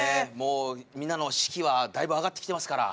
皆の士気はだいぶ、上がってきていますから。